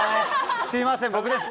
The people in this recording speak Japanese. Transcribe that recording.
すみません、僕です。